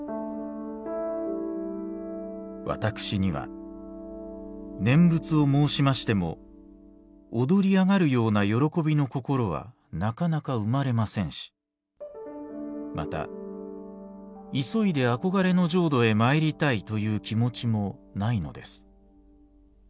「私には念仏を申しましても躍りあがるような喜びの心はなかなか生まれませんしまた急いであこがれの浄土へまいりたいという気持ちもないのです。